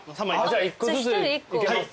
じゃあ１個ずついけます？